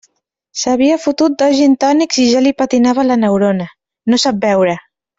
S'havia fotut dos gintònics i ja li patinava la neurona; no sap beure.